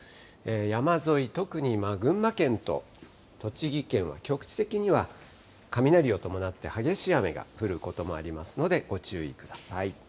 山沿い、特に群馬県と栃木県は局地的には雷を伴って激しい雨が降ることがありますので、ご注意ください。